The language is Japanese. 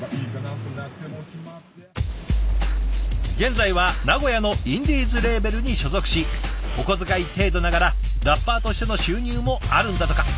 現在は名古屋のインディーズレーベルに所属しお小遣い程度ながらラッパーとしての収入もあるんだとか。